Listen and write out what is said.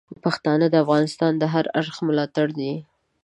پښتانه د افغانستان د هر اړخ ملاتړي دي.